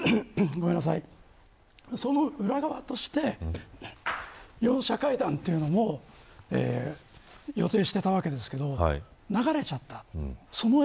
その裏側として４者会談というのも予定してたわけですけど流れちゃった。